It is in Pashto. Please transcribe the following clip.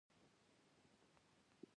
زه هڅه کوم، چي ښه تاثیر پرېږدم.